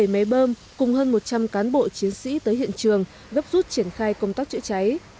bảy máy bơm cùng hơn một trăm linh cán bộ chiến sĩ tới hiện trường gấp rút triển khai công tác chữa cháy